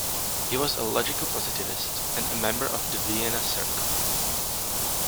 He was a logical-positivist, and a member of the Vienna Circle.